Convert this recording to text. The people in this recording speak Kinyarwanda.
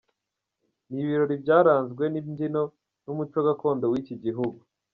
Ni ibirori byaranzwe n’imbyino n’umuco gakondo w’iki gihugu.